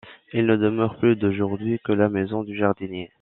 Il ne demeure plus aujourd'hui que la maison du jardinier.